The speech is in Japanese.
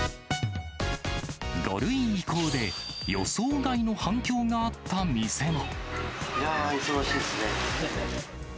５類移行で、予想外の反響がいやー、忙しいですね。